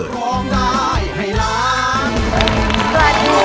สวัสดีค่ะ